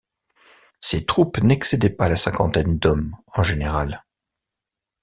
Ces troupes n'excédaient pas la cinquantaine d'hommes, en général.